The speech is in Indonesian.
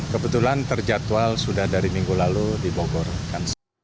kebetulan terjatual sudah dari minggu lalu dibogorkan